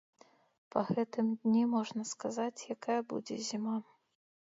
Па гэтым дні можна сказаць, якая будзе зіма.